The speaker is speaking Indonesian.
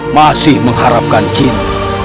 masih mengharapkan cinta